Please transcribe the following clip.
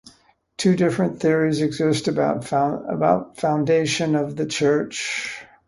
Two different theories exist about foundation of the church.